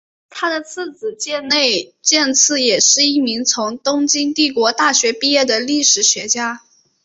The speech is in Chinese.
他的次子箭内健次也是一名从东京帝国大学毕业的历史学家。